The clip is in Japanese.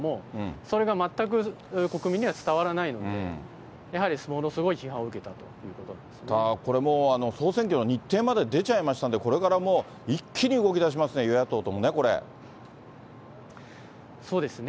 それが全く国民には伝わらないので、やはりものすごい批判をこれ、もう総選挙の日程まで出ちゃいましたんで、これからもう、一気に動きだしますね、与野そうですね。